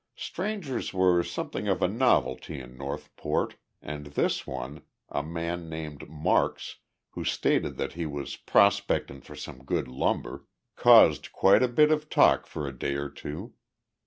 Strangers were something of a novelty in Northport, and this one a man named Marks, who stated that he was "prospectin' for some good lumber" caused quite a bit of talk for a day or two.